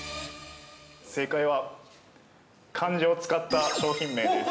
◆正解は漢字を使った商品名です。